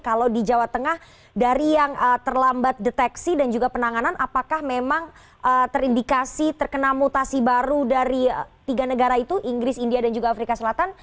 kalau di jawa tengah dari yang terlambat deteksi dan juga penanganan apakah memang terindikasi terkena mutasi baru dari tiga negara itu inggris india dan juga afrika selatan